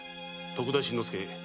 徳田新之助